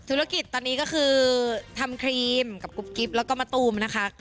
ธุรกิจตอนนี้ก็คือทำครีมกับกุ๊บกิ๊บแล้วก็มะตูมนะคะ